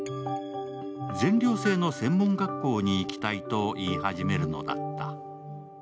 全寮制の専門学校に行きたいと言い始めるのだった。